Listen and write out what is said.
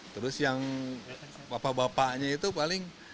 terus yang bapak bapaknya itu paling